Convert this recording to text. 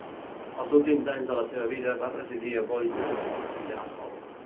Els últims anys de la seva vida va residir a Boise, Idaho.